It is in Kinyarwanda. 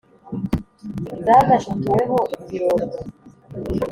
Zanashituweho ibirondwe?